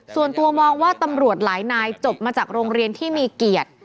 ส่วนตัวมองว่าตำรวจหลายนายจบมาจากโรงเรียนที่มีเกียรติ